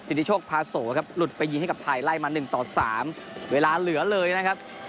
ธิโชคพาโสครับหลุดไปยิงให้กับไทยไล่มา๑ต่อ๓เวลาเหลือเลยนะครับ